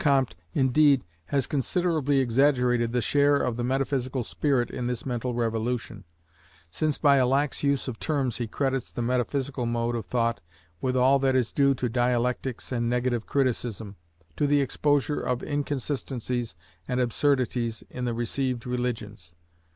Comte, indeed, has considerably exaggerated the share of the Metaphysical spirit in this mental revolution, since by a lax use of terms he credits the Metaphysical mode of thought with all that is due to dialectics and negative criticism to the exposure of inconsistencies and absurdities in the received religions.